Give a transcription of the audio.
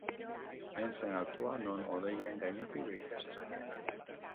Hain zen altua, non hodeien gainetik begira zezakeen.